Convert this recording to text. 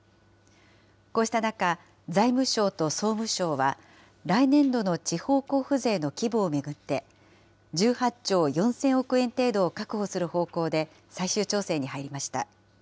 こうした中、財務省と総務省は、来年度の地方交付税の規模を巡って、１８兆４０００億円程度を確保する方向で最終調整に入りました。